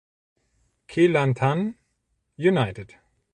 Kelantan United